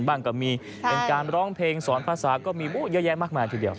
ก็มีเป็นการร้องเพลงสอนภาษาก็มีเยอะแยะมากมายทีเดียว